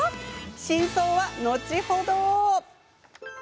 真相は後ほど！